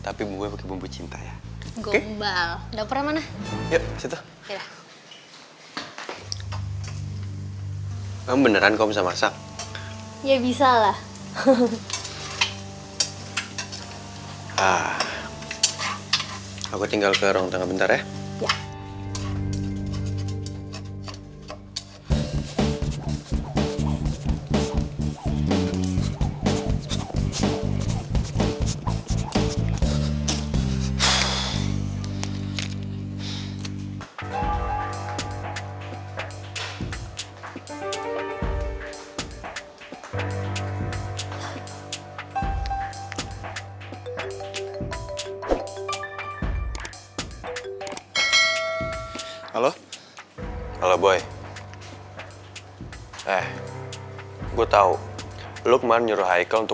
tapi gue nyuruh haikal buat cegah lo